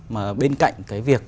mà bên cạnh cái việc